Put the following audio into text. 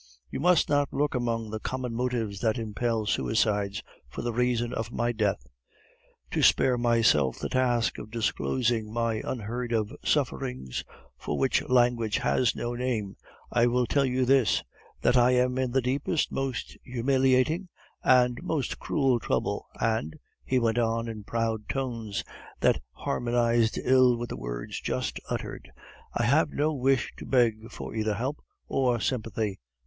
"You must not look among the common motives that impel suicides for the reason of my death. To spare myself the task of disclosing my unheard of sufferings, for which language has no name, I will tell you this that I am in the deepest, most humiliating, and most cruel trouble, and," he went on in proud tones that harmonized ill with the words just uttered, "I have no wish to beg for either help or sympathy."